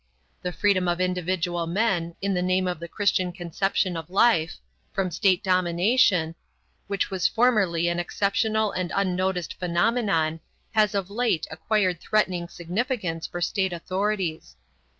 The freedom of individual men, in the name of the Christian conception of life, from state domination, which was formerly an exceptional and unnoticed phenomenon, has of late acquired threatening significance for state authorities.